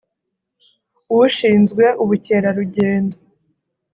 ushinzwe ubukerarugendo